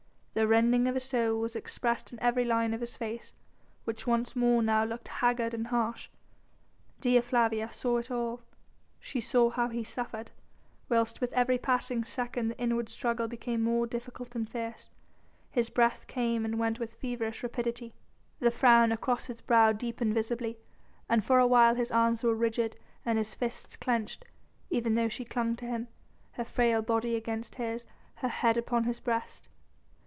The rending of his soul was expressed in every line of his face, which once more now looked haggard and harsh; Dea Flavia saw it all. She saw how he suffered, whilst with every passing second the inward struggle became more difficult and fierce; his breath came and went with feverish rapidity, the frown across his brow deepened visibly, and for a while his arms were rigid and his fists clenched, even though she clung to him, her frail body against his, her head upon his breast.